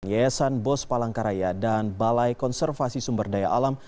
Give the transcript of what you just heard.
yayasan bos palangkaraya dan balai konservasi sumber daya alam